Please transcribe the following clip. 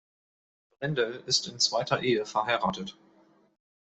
Brendel ist in zweiter Ehe verheiratet.